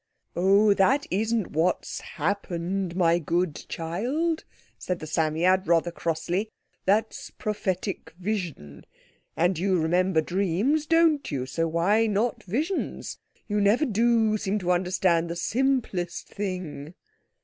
"Oh, that isn't what's happened, my good child," said the Psammead, rather crossly, "that's prophetic vision. And you remember dreams, don't you? So why not visions? You never do seem to understand the simplest thing."